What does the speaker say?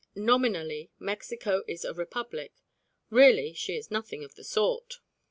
Nominally Mexico is a Republic: really she is nothing of the sort.